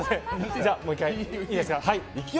じゃあもう１回いいですか。